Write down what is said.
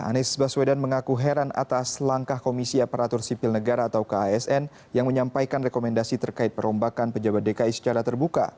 anies baswedan mengaku heran atas langkah komisi aparatur sipil negara atau kasn yang menyampaikan rekomendasi terkait perombakan pejabat dki secara terbuka